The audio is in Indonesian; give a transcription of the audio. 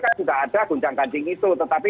kan sudah ada guncang ganjing itu tetapi